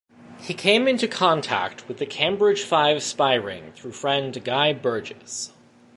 He came into contact with the Cambridge Five spy ring through friend Guy Burgess.